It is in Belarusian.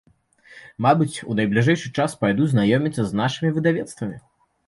Мабыць, у найбліжэйшы час пайду знаёміцца з нашымі выдавецтвамі.